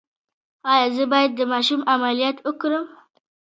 ایا زه باید د ماشوم عملیات وکړم؟